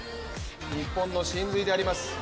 日本の神髄であります